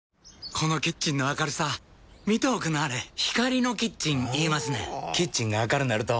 このキッチンの明るさ見ておくんなはれ光のキッチン言いますねんほぉキッチンが明るなると・・・